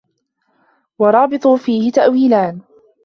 وَرَابَطُوا فِيهِ تَأْوِيلَانِ